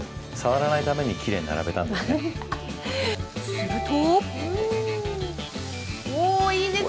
すると。